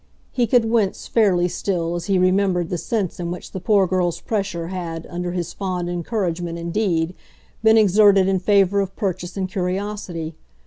He could wince, fairly, still, as he remembered the sense in which the poor girl's pressure had, under his fond encouragement indeed, been exerted in favour of purchase and curiosity.